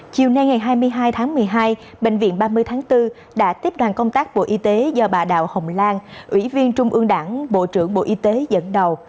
chiều nay ngày hai mươi hai tháng một mươi hai bệnh viện ba mươi tháng bốn đã tiếp đoàn công tác bộ y tế do bà đào hồng lan ủy viên trung ương đảng bộ trưởng bộ y tế dẫn đầu